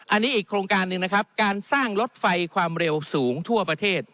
อันนี้อีกโครงการหนึ่งนะครับการสร้างรถไฟความเร็วสูงทั่วประเทศ